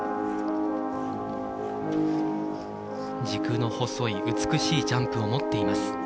軸の細い美しいジャンプを持っています